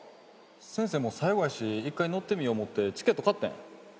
先生も最後やし一回乗ってみよ思てチケット買ってん。